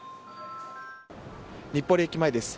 日暮里駅前です。